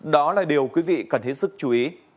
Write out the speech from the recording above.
đó là điều quý vị cần hết sức chú ý